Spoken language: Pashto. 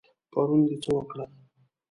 پرون د څه وکړل؟